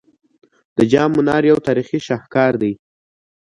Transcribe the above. د جام منار یو تاریخي شاهکار دی